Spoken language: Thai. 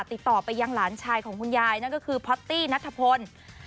ติดต่อไปยังหลานชายของคุณยายนั่นก็คือพอตตี้นัทพล